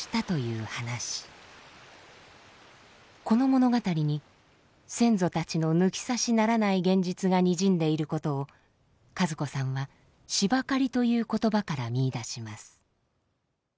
この物語に先祖たちの抜き差しならない現実がにじんでいることを和子さんは「しば刈り」という言葉から見いだします。